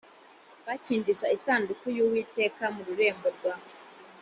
bacyinjiza isanduku y uwiteka mu rurembo rwa